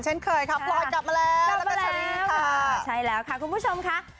เช่นเคยค่ะบรอยกลับมาแล้วแล้วแต่ฉลิดค่ะ